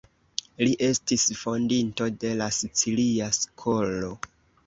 Li estis fondinto de la Sicilia Skolo.